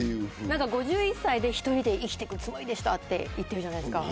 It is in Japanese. ５１歳で１人で生きていくつもりでしたと言ってるじゃないですか。